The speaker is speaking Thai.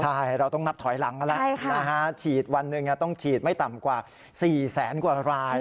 ใช่เราต้องนับถอยหลังกันแล้วฉีดวันหนึ่งต้องฉีดไม่ต่ำกว่า๔แสนกว่าราย